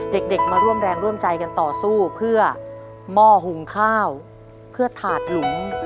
เด็กมาร่วมแรงร่วมใจกันต่อสู้เพื่อหม้อหุงข้าวเพื่อถาดหลุม